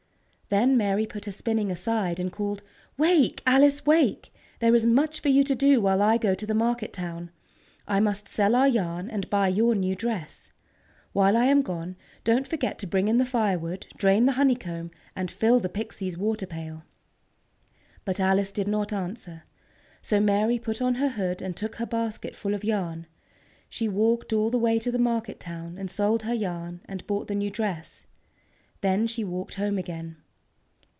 Then Mary put her spinning aside, and called: "Wake, Alice, wake! There is much for you to do while I go to the market town. I must sell our yarn, and buy your new dress. While I am gone, don't forget to bring in the firewood, drain the honeycomb, and fill the Pixies' water pail." But Alice did not answer. So Mary put on her hood and took her basket full of yarn. She walked all the way to the market town and sold her yarn, and bought the new dress. Then she walked home again.